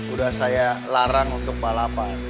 udah saya larang untuk balapan